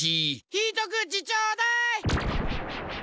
ひとくちちょうだい。